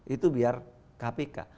itu biar kpk